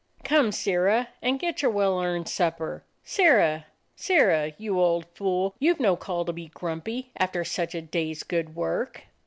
"Come, Sirrah, and get your well earned supper. Sirrah, Sirrah! you old fool, you've no call to be grumpy, after such a day's good work."